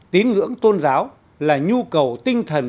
tín ngưỡng tôn giáo là nhu cầu tinh thần